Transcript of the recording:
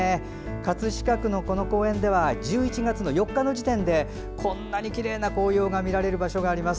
葛飾区のこの公園では１１月４日の時点でこんなにきれいな紅葉が見られる場所があります。